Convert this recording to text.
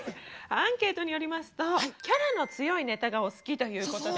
アンケートによりますとキャラの強いネタがお好きということで。